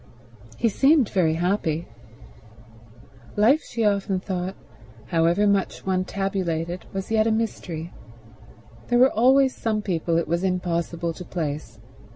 He seemed very happy. Life, she often thought, however much one tabulated was yet a mystery. There were always some people it was impossible to place.